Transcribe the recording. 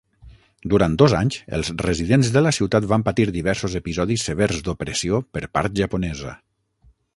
Durant dos anys, els residents de la ciutat van patir diversos episodis severs d'opressió per part japonesa.